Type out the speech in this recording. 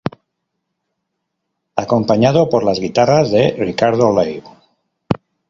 Acompañado por las guitarras de Ricardo Lew.